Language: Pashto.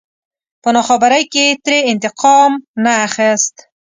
په ناخبرۍ کې يې ترې انتقام نه اخست.